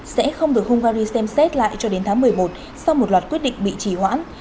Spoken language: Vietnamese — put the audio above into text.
sẽ không được hungary xem xét lại cho đến tháng một mươi một sau một loạt quyết định bị trì hoãn